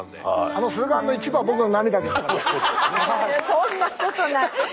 そんなことない。